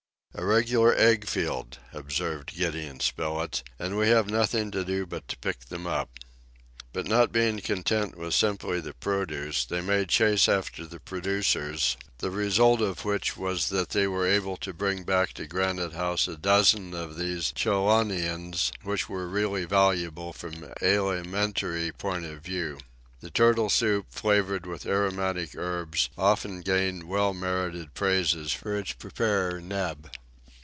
"A regular egg field," observed Gideon Spilett, "and we have nothing to do but to pick them up." But not being contented with simply the produce, they made chase after the producers, the result of which was that they were able to bring back to Granite House a dozen of these chelonians, which were really valuable from an alimentary point of view. The turtle soup, flavored with aromatic herbs, often gained well merited praises for its preparer, Neb.